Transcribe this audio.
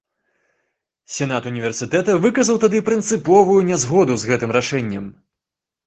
Сенат універсітэта выказаў тады прынцыповую нязгоду з гэтым рашэннем.